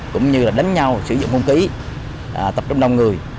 cũng như là đánh nhau sử dụng không ký tập trung đông người